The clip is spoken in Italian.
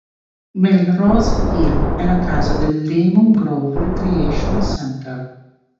Melrose hill è la casa del "Lemon Grove Recreation Center".